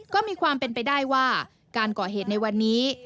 ก็มีความเป็นไปได้ว่าการก่อเหตุในวันนี้